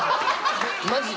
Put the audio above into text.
マジで。